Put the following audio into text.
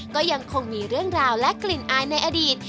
ก็ยังคงมีเรื่องราวและกลิ่นอายในอดีต